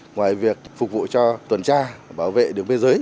ngoài việc phục vụ cho tuần tra bảo vệ đường biên giới